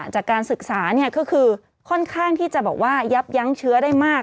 จากการศึกษาก็คือค่อนข้างที่จะบอกว่ายับยั้งเชื้อได้มาก